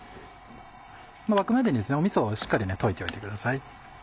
沸くまでにみそをしっかり溶いておいてください。